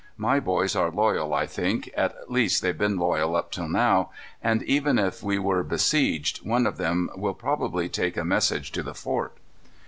My boys are loyal, I think, at least they've been loyal up to now, and even if we are besieged, one of them will probably take a message to the fort."